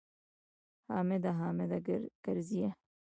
حامده! حامد کرزیه!